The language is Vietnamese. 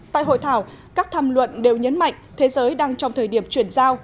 tại hội thảo các tham luận đều nhấn mạnh thế giới đang trong thời điểm chuyển giao